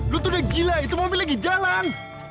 lo tuh udah gila itu mobil lagi jalan